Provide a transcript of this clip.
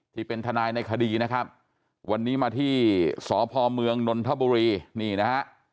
ที่เป็นทนายในคดีนะครับวันนี้มาที่สพเมืองนนทบุรีนี่นะฮะ